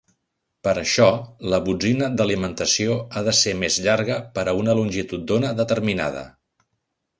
Per això, la botzina d'alimentació ha de ser més llarga per a una longitud d'ona determinada.